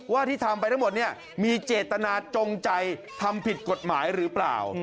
ที่ทำไปทั้งหมดเนี่ยมีเจตนาจงใจทำผิดกฎหมายหรือเปล่า